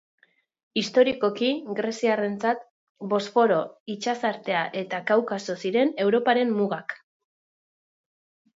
Historikoki, greziarrentzat Bosforo itsasartea eta Kaukaso ziren Europaren mugak.